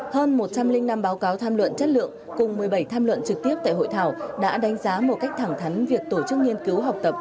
hơn một trăm linh năm báo cáo tham luận chất lượng cùng một mươi bảy tham luận trực tiếp tại hội thảo đã đánh giá một cách thẳng thắn việc tổ chức nghiên cứu học tập